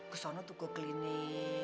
ke sana tuh ke klinik